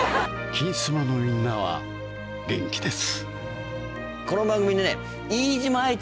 「金スマ」のみんなは元気です